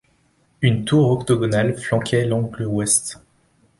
Une tour octogonale flanquait l'angle Ouest.